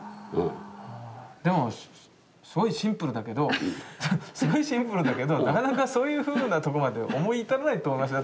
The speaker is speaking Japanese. でもすごいシンプルだけどすごいシンプルだけどなかなかそういうふうなとこまで思い至らないと思いますよ。